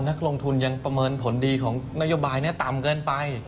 นักลงทุนยังประเมินผลดีของนโยบายนี้ต่ำเกินไป